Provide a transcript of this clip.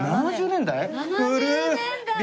７０年代？